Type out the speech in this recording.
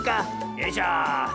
よいしょ。